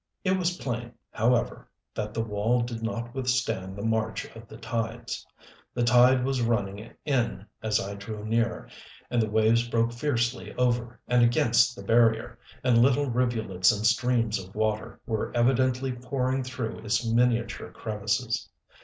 It was plain, however, that the wall did not withstand the march of the tides. The tide was running in as I drew near, and the waves broke fiercely over and against the barrier, and little rivulets and streams of water were evidently pouring through its miniature crevices.